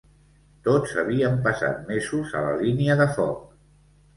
Tots havíem passat mesos a la línia de foc